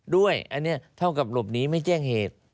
ด้วยอันนี้เท่ากับหลบหนีไม่แจ้งเหตุ